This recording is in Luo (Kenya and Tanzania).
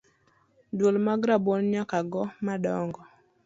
Duol mag rabuon nyakago madongo.